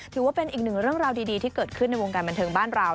ถือว่าเป็นอีกหนึ่งเรื่องราวดีที่เกิดขึ้นในวงการบันเทิงบ้านเรา